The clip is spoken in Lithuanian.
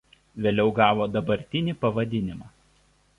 Vėliau gavo dabartinį pavadinimą.